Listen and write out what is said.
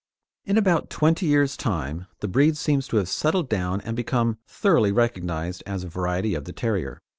In about twenty years' time, the breed seems to have settled down and become thoroughly recognised as a variety of the terrier.